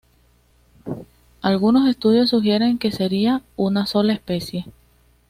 Algunos estudios sugieren que serían una sola especie.